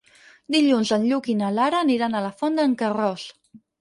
Dilluns en Lluc i na Lara aniran a la Font d'en Carròs.